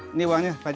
ini uangnya pak